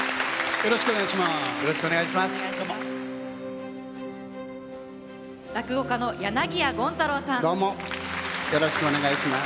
よろしくお願いします。